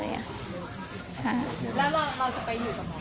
แล้วเราจะไปอยู่กับหมอปลาค่ะ